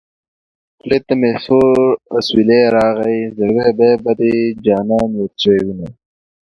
خولې ته مې سوړ اوسېلی راغی زړګيه بيا به دې جانان ياد شوی وينه